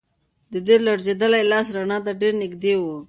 د ده لړزېدلی لاس رڼا ته ډېر نږدې و.